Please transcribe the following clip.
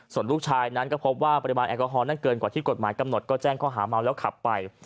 ส่วนลูกชายนั้นก็พบว่าปริมาณแอลกอฮอลนั้นเกินกว่าที่กฎหมายกำหนดก็แจ้งข้อหาเมาแล้วขับไป